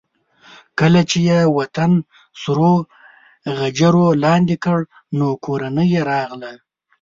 کله چې یې وطن سرو غجرو لاندې کړ نو کورنۍ یې راغله.